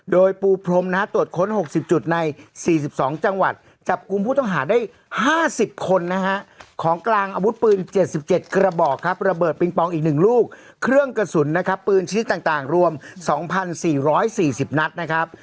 โดยปูพรมนะฮะตรวจค้นหกสิบจุดในสี่สิบสองจังหวัดจับกลุ่มผู้ต้องหาได้ห้าสิบคนนะฮะของกลางอาวุธปืนเจ็ดสิบเจ็ดกระบอกครับระเบิดปิงปองอีกหนึ่งลูกเครื่องกระสุนนะครับปืนชีวิตต่างรวมสองพันสี่ร้อยสี่สิบนัดนะครับ